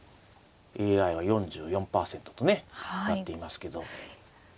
ＡＩは４４％とねなっていますけど。